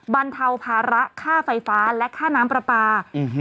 บรรเทาภาระค่าไฟฟ้าและค่าน้ำปลาปลา